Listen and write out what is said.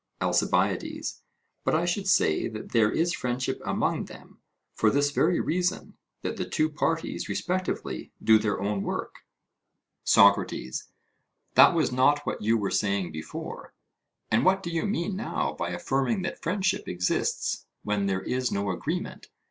ALCIBIADES: But I should say that there is friendship among them, for this very reason, that the two parties respectively do their own work. SOCRATES: That was not what you were saying before; and what do you mean now by affirming that friendship exists when there is no agreement?